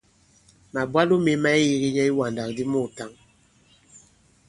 Màbwalo mē ma ke yīgi nyɛ i iwàndak di muùtǎŋ.